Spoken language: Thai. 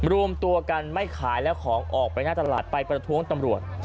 รวมตัวกันไม่ขายแล้วของออกไปหน้าตลาดไปประท้วงตำรวจ